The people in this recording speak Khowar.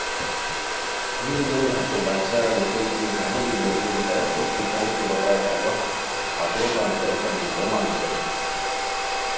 یی نیئے ہتے باچھا ریتائے کی ہمو بی لوڑٔور ہیہ کوس کی پونگتو بغائے اوا ہتو تان ژاؤتین انگومان ریتائے